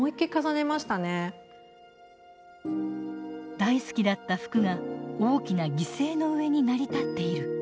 大好きだった服が大きな犠牲の上に成り立っている。